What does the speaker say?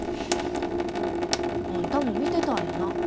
あんたも見てたんやな